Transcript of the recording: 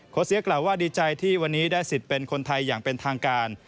เสียกล่าวว่าดีใจที่วันนี้ได้สิทธิ์เป็นคนไทยอย่างเป็นทางการ